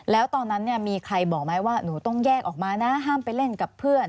แล้วตอนนั้นเนี่ยมีใครบอกไหมว่าหนูต้องแยกออกมานะห้ามไปเล่นกับเพื่อน